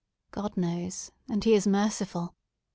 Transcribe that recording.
God knows; and He is merciful!